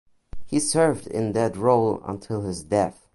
He served in that role until his death.